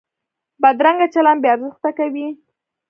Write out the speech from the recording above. بدرنګه چلند بې ارزښته کوي